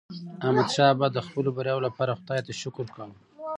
احمدشاه بابا د خپلو بریاوو لپاره خداي ته شکر کاوه.